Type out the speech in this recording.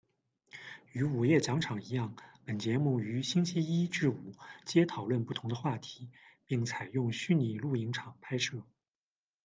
与五夜讲场一样，本节目于星期一至五皆讨论不同的话题，并采用虚拟录影厂拍摄。